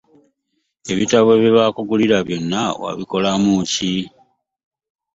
Ebitabo bye baakugulira byonna wabikolamu ki?